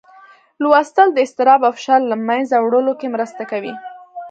لوستل د اضطراب او فشار له منځه وړلو کې مرسته کوي.